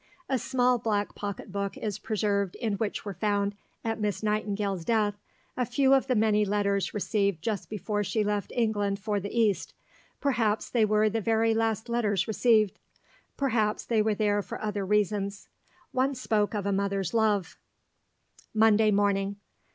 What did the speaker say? A small black pocket book is preserved in which were found, at Miss Nightingale's death, a few of the many letters received just before she left England for the East. Perhaps they were the very last letters received; perhaps they were there for other reasons. One spoke of a mother's love: Monday morning.